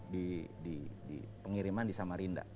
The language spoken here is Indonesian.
di pengiriman di samarinda